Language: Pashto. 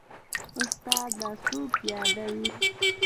استاده څوک يادوې.